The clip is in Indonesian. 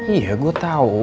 iya gua tau